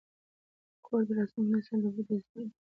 کور د راتلونکي نسل د ودې ځای دی.